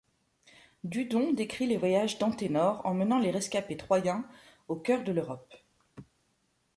Dudon décrit les voyages d'Anténor emmenant les rescapés troyens au cœur de l'Europe.